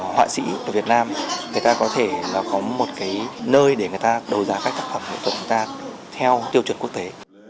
họa sĩ ở việt nam người ta có thể có một cái nơi để người ta đấu giá các tác phẩm nghệ thuật của người ta theo tiêu chuẩn quốc tế